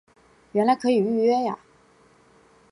原来可以预约呀